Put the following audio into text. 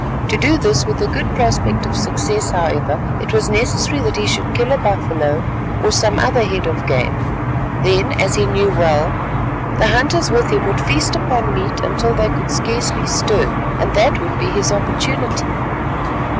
To do this with a good prospect of success, however, it was necessary that he should kill a buffalo, or some other head of game. Then, as he knew well, the hunters with him would feast upon meat until they could scarcely stir, and that would be his opportunity.